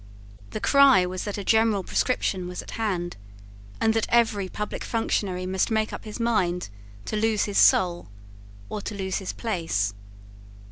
The cry was that a general proscription was at hand, and that every public functionary must make up his mind to lose his soul or to lose his place.